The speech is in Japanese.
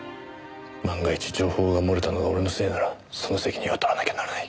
万が一情報が漏れたのが俺のせいならその責任は取らなきゃならない。